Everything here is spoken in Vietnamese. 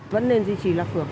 vẫn nên duy trì là phường